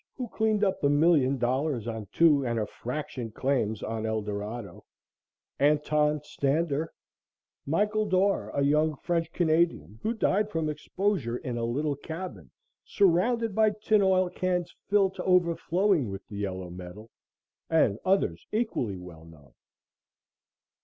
who cleaned up a million dollars on two and a fraction claims on Eldorado; Antone Stander; Michael Dore, a young French Canadian, who died from exposure in a little cabin surrounded by tin oil cans filled to overflowing with the yellow metal, and others equally well known.